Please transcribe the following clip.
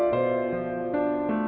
gak ada apa apa